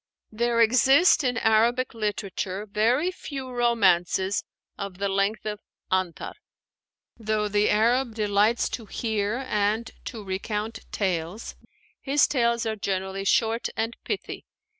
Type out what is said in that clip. There exist in Arabic literature very few romances of the length of 'Antar.' Though the Arab delights to hear and to recount tales, his tales are generally short and pithy.